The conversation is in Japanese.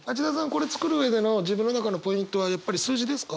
これ作る上での自分の中のポイントはやっぱり数字ですか？